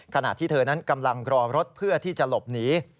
ขณะที่เธอนั้นกำลังรอรถเพื่อที่จะหลบหนี